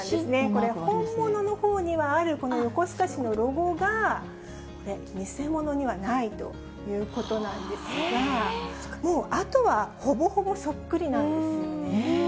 これ、本物のほうにはある、この横須賀市のロゴが、偽物にはないということなんですが、もうあとは、ほぼほぼそっくりなんですよね。